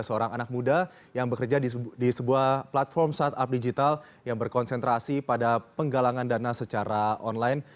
seorang anak muda yang bekerja di sebuah platform startup digital yang berkonsentrasi pada penggalangan dana secara online